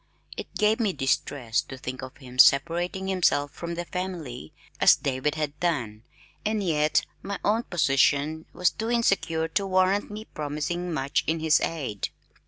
It gave me distress to think of him separating himself from the family as David had done, and yet my own position was too insecure to warrant me promising much in his aid.